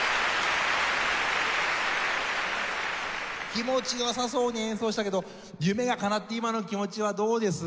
気持ち良さそうに演奏してたけど夢がかなって今の気持ちはどうです？